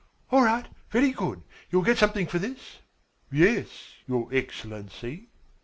"All right, very good. You will get something for this." "Yes, your Excellency."